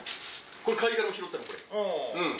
貝殻拾ったのこれ。